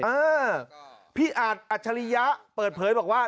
เออพี่อาจอัจฉริยะเปิดเผยบอกว่า